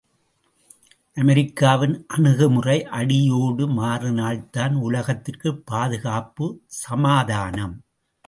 அமெரிக்காவின் அணுகுமுறை அடியோடு மாறினால்தான் உலகத்திற்குப் பாதுகாப்பு சமாதானம்!